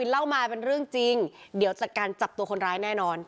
เล่ามาเป็นเรื่องจริงเดี๋ยวจัดการจับตัวคนร้ายแน่นอน